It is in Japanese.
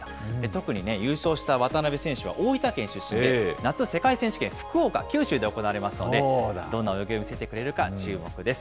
特に優勝した渡辺選手は大分県出身で、夏、世界選手権、福岡、九州で行われますので、どんな泳ぎを見せてくれるか、注目です。